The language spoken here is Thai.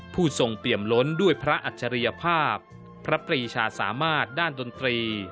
ผู้ทรงเปี่ยมล้นด้วยพระอัจฉริยภาพพระปรีชาสามารถด้านดนตรี